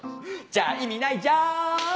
じゃあ意味ないじゃん！